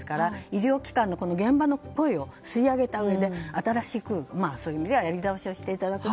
医療機関の現場の声を吸い上げたうえで新しく、そういう意味ではやり直しをしていただく。